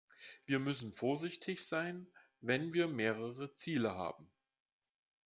Wir müssen vorsichtig sein, wenn wir mehrere Ziele haben.